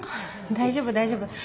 大丈夫大丈夫。